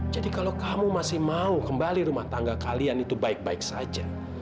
jadi kalau kamu masih mau kembali rumah tangga kalian itu baik baik saja